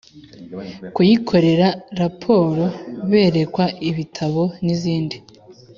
kuyikorera raporo Berekwa ibitabo n izindi